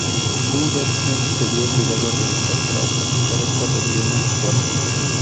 Sun Yat-sen se vio obligado a regresar para sofocar esta rebelión en su base.